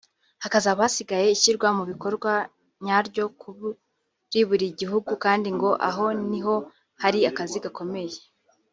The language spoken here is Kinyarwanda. hakazaba hasigaye ishyirwa mu bikorwa ryawo kuri buri gihugu kandi ngo aho ni na ho hari akazi gakomeye